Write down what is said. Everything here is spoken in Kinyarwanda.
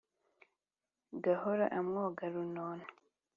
gahoro amwoga runono;